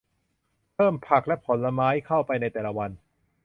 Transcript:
เพิ่มผักและผลไม้เข้าไปในแต่ละวัน